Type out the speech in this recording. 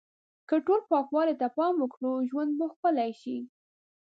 که ټول پاکوالی ته پام وکړو، ژوند به ښکلی شي.